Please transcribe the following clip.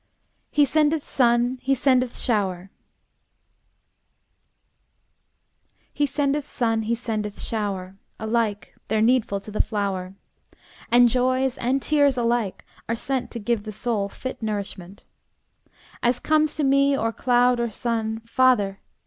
HE SENDETH SUN, HE SENDETH SHOWER He sendeth sun, he sendeth shower, Alike they're needful to the flower; And joys and tears alike are sent To give the soul fit nourishment. As comes to me or cloud or sun, Father!